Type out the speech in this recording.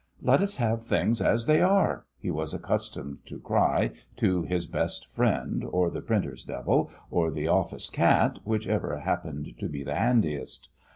"Let us have things as they are!" he was accustomed to cry to his best friend, or the printer's devil, or the office cat, whichever happened to be the handiest.